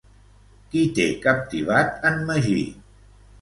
Qui té captivat en Magí?